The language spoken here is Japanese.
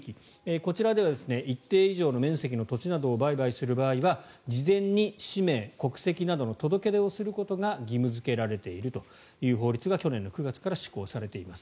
こちらでは一定以上の面積の土地などを売買する場合には事前に氏名・国籍などの届け出をすることが義務付けられているという法律が去年の９月から施行されています。